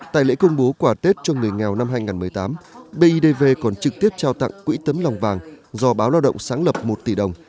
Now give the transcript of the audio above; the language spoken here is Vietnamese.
tại lễ công bố quả tết cho người nghèo năm hai nghìn một mươi tám bidv còn trực tiếp trao tặng quỹ tấm lòng vàng do báo lao động sáng lập một tỷ đồng